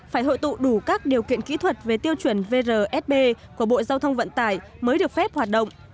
phải hội tụ đủ các điều kiện kỹ thuật về tiêu chuẩn vrsb của bộ giao thông vận tải mới được phép hoạt động